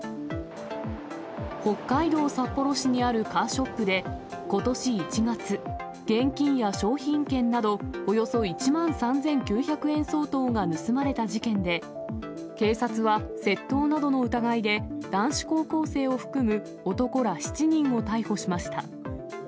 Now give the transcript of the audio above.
北海道札幌市にあるカーショップで、ことし１月、現金や商品券などおよそ１万３９００円相当が盗まれた事件で、警察は窃盗のなどの疑いで男子高校生を含む男ら７人を逮捕しました。